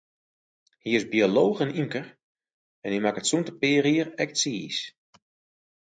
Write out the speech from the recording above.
Hy is biolooch en ymker, en hy makket sûnt in pear jier ek tsiis.